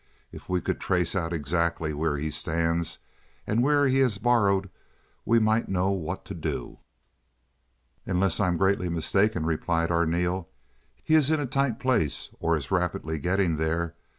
If we could trace out exactly where he stands, and where he has borrowed, we might know what to do." "Unless I am greatly mistaken," replied Arneel, "he is in a tight place or is rapidly getting there.